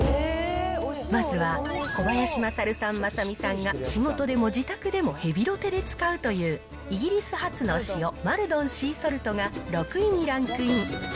まずは小林まさるさん、まさみさんが仕事でも自宅でもヘビロテで使うという、イギリス発の塩、マルドンシーソルトが６位にランクイン。